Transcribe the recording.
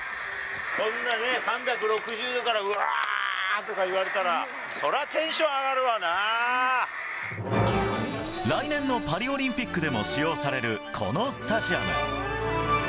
こんなね、３６０度からわーっとか言われたら、そりゃ、テンション上が来年のパリオリンピックでも使用される、このスタジアム。